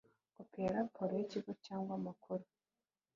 kopi ya raporo y ikigo cyangwa amakuru